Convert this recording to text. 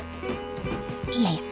いやいや！